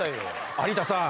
有田さん。